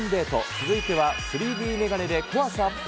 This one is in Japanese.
続いては、３Ｄ眼鏡で怖さアップ。